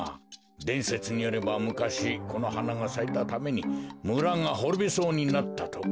でんせつによればむかしこのはながさいたためにむらがほろびそうになったとか。